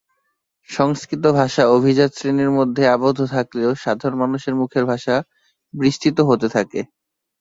সংস্কৃত ভাষা অভিজাত শ্রেণির মধ্যেই আবদ্ধ থাকলেও সাধারণ মানুষের মুখের ভাষা বিস্তৃত হতে থাকে।